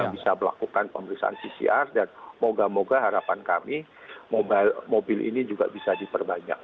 bisa melakukan pemeriksaan pcr dan moga moga harapan kami mobil ini juga bisa diperbanyak